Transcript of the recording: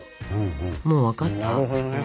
もう分かった？